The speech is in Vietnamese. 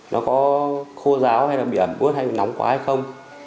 nó có khô ráo hay bị ẩm ướt hay nóng quá hay không